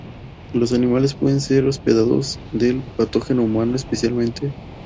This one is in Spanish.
Los animales pueden ser hospedadores del patógeno humano, especialmente "T.b.rhodesiense.